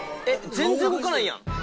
全然動かないやん。